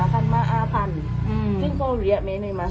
ตัวใดนะคะ